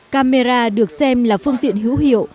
camera được xem là phương tiện hữu hiệu